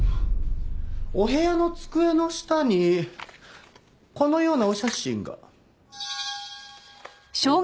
お部屋の机の下にこのようなお写真が。